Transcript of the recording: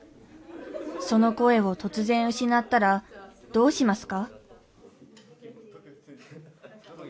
その声を突然失ったらどうしますか？